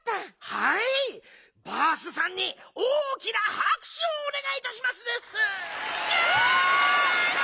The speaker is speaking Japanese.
はいバースさんに大きなはくしゅをおねがいいたしますです！